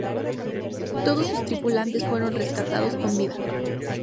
Todos sus tripulantes fueron rescatados con vida.